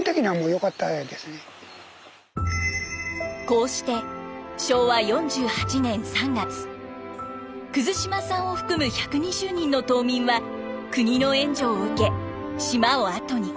こうして昭和４８年３月島さんを含む１２０人の島民は国の援助を受け島を後に。